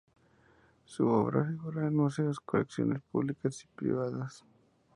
Su obra figura en museos, colecciones públicas y privadas.